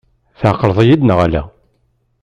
Tɛeqleḍ-iyi-d neɣ ala?